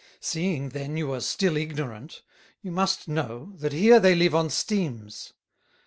Seeing then you are still ignorant, you must know, that here they live on Steams.